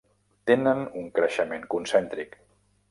Tenen un creixement concèntric.